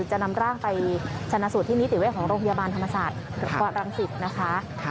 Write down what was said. จะนำร่างไปชนะสูตรที่นิติเวชของโรงพยาบาลธรรมศาสตร์วรังสิตนะคะ